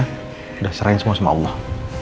sudah serahin semua sama allah